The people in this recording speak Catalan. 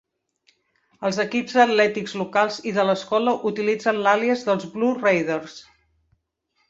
Els equips atlètics locals i de l"escola utilitzen l"àlies dels Blue Raiders.